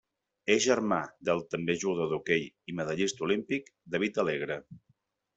És germà del també jugador d'hoquei i medallista olímpic David Alegre.